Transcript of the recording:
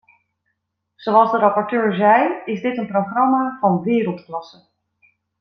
Zoals de rapporteur zei, is dit een programma van wereldklasse.